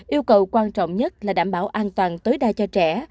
yêu cầu quan trọng nhất là đảm bảo an toàn tối đa cho trẻ